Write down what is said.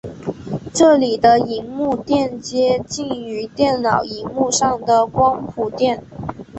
这里的萤幕靛接近于电脑萤幕上的光谱靛。